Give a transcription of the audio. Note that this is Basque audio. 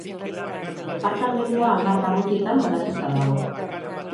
Departamendua hamar barrutitan banatuta dago.